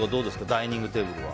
ダイニングテーブルは。